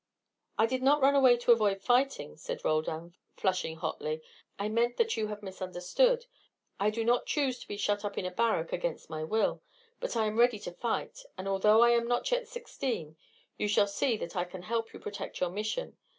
"I did not run away to avoid fighting," said Roldan, flushing hotly. "Pardon, father; I meant that you have misunderstood. I do not choose to be shut up in a barrack against my will, but I am ready to fight; and, although I am not yet sixteen, you shall see that I can help you protect your Mission.